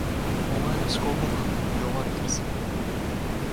お前の思考パターン、読まれてるぞ